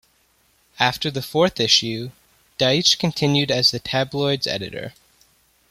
After the fourth issue, Deitch continued as the tabloid's editor.